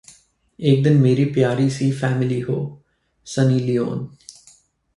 एक दिन मेरी प्यारी सी फैमिली होः सनी लियोन